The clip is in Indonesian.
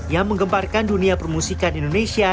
yang menggemparkan dunia permusikan indonesia